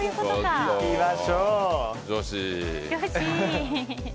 よし。